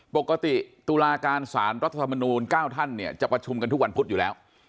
ปกติตุลาการสารรัฐธรรมนูล๙ท่านเนี่ยจะประชุมกันทุกวันพุธอยู่แล้ว